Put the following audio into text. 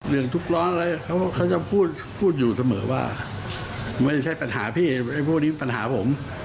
ทุกร้อนอะไรเขาจะพูดพูดอยู่เสมอว่าไม่ใช่ปัญหาพี่ไอ้พวกนี้ปัญหาผม